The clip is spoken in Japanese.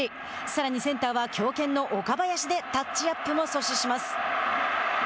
さらにセンターは強肩の岡林でタッチアップも阻止します。